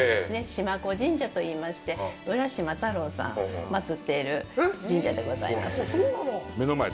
島児神社といいまして、浦島太郎さんを祭っている神社でございます。